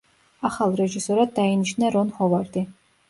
ახალ რეჟისორად დაინიშნა რონ ჰოვარდი.